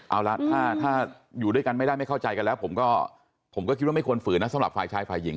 เอาละถ้าอยู่ด้วยกันไม่ได้ไม่เข้าใจกันแล้วผมก็ผมก็คิดว่าไม่ควรฝืนนะสำหรับฝ่ายชายฝ่ายหญิง